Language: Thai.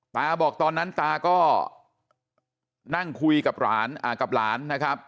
ตาบอกตอนนั้นตาก็นั่งคุยกับหลาน